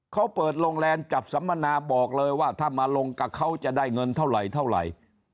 เขาเปิดโรงแรมจับสัมมนาบอกเลยว่าถ้ามาลงกับเขาจะได้เงินเท่าไหร่เท่าไหร่